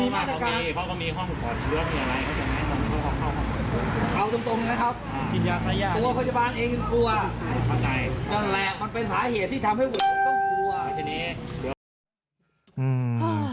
ดาตายก็ตาย